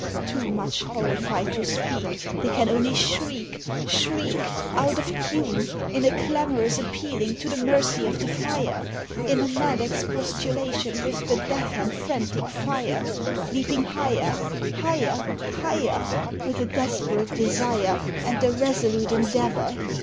Too much horrified to speak They can only shriek, shriek, Out of tune, In a clamorous appealing to the mercy of the fire, In a mad expostulation with the deaf and frantic fire, Leaping higher, higher, higher, With a desperate desire, And a resolute endeavour.